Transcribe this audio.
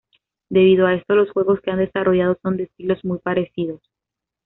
Debido a esto, los juegos que han desarrollado son de estilos muy parecidos.